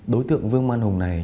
đối tượng vương văn hùng này